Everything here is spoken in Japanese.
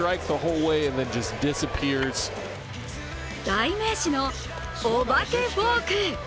代名詞のお化けフォーク。